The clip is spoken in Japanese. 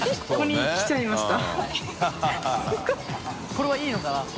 これはいいのかな？